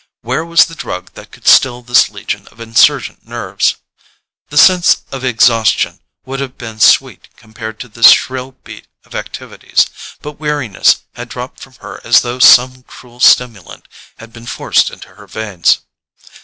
Where was the drug that could still this legion of insurgent nerves? The sense of exhaustion would have been sweet compared to this shrill beat of activities; but weariness had dropped from her as though some cruel stimulant had been forced into her veins.